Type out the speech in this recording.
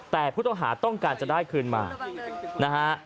แต่ผู้ต้องหาต้องการจะได้คืนมานะฮะ